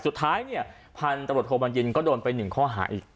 สุดท้ายเนี่ยผ่านตรวจโฮมันยินก็โดนไปหนึ่งข้อหาอีก